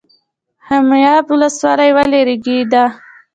خمیاب ولسوالۍ ولې ریګي ده؟